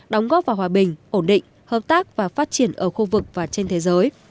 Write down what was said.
đóng góp vào hòa bình ổn định hợp tác và phát triển ở khu vực và trên thế giới